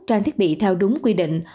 trang thiết bị theo đúng quy định